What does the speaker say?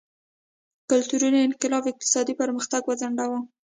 کلتوري انقلاب اقتصادي پرمختګ وځنډاوه.